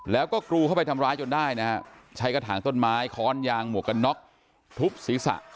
แล้วก็กรูเข้าไปทำร้ายจนได้นะฮะใช้กระถางต้นไม้ค้อนยางหมวกกันน็อกทุบศีรษะ